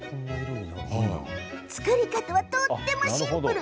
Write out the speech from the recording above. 作り方はとってもシンプル。